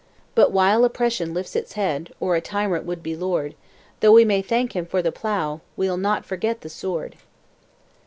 But while oppression lifts its head, Or a tyrant would be lord; Though we may thank him for the plough, We'll not forget the sword!"